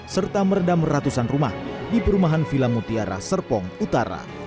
serta meredam ratusan rumah di perumahan villa mutiara serpong utara